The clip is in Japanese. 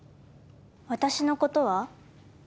私のことは？